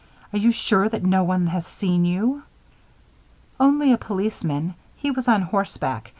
Are you sure that no one has seen you?" "Only a policeman. He was on horseback.